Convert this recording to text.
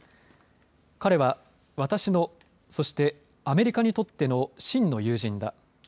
彼は、私のそしてアメリカにとっての真の友人だ。